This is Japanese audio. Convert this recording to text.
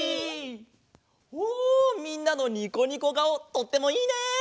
おみんなのにこにこがおとってもいいね！